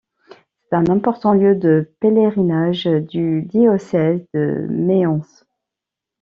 C'est un important lieu de pèlerinage du diocèse de Mayence.